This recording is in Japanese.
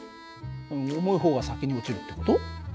重い方が先に落ちるって事？